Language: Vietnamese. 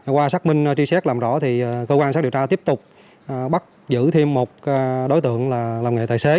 qua xác minh tri xét làm rõ thì cơ quan xác điều tra tiếp tục bắt giữ thêm một đối tượng là làm nghệ tài xế